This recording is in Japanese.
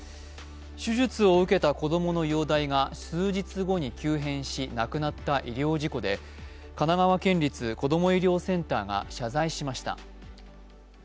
手術を受けた子供の容体が数日後に急変し亡くなった医療事故で、神奈川県立こども医療センターが謝罪しました。